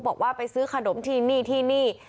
บอกว่าไปซื้อขนมที่นี่ที่นี่